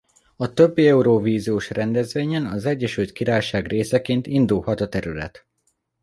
A többi eurovíziós rendezvényen az Egyesült Királyság részeként indulhat a terület.